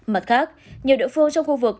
mặt khác nhiều địa phương trong khu vực